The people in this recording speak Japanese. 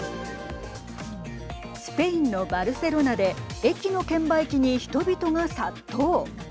スペインのバルセロナで駅の券売機に人々が殺到。